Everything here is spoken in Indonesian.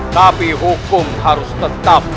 tapi hukum harus tetap